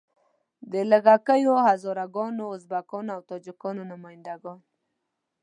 د لږه کیو هزاره ګانو، ازبکانو او تاجیکانو نماینده ګان.